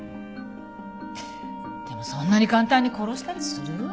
でもそんなに簡単に殺したりする？